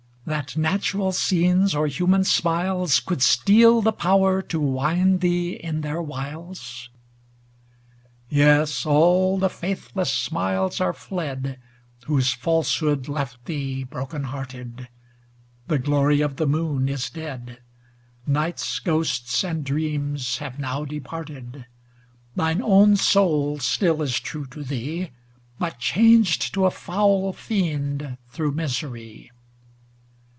That natural scenes or human smiles Could steal the power to wind thee in their wiles ? Yes, all the faithless smiles are fled Whose falsehood left thee broken hearted ; The glory of the moon is dead; Night's ghost and dreams have now departed; Thine own soul still is true to thee, But changed to a foul fiend through misery.